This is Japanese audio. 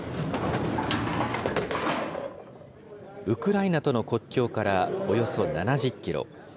ウクライナとの国境からおよそ７０キロ。